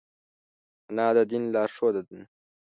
انا د دین لارښوده ده